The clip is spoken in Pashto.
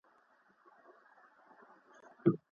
ما د سید رسول رسا یو مشهور ناول ولوست.